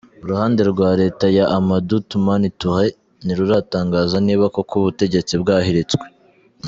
Uruhande rwa leta ya Amadou Toumani Toure ntiruratangaza niba koko ubutegetsi bwahiritswe.